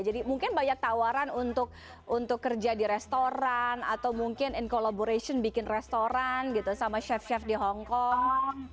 jadi mungkin banyak tawaran untuk kerja di restoran atau mungkin in collaboration bikin restoran gitu sama chef chef di hongkong